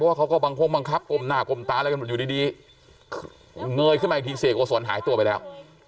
เพราะว่าเขาก็บางคนบังคับกลมหน้ากลมตาอยู่ดีเงยขึ้นมาอีกทีเสียโกศลหายตัวไปแล้ว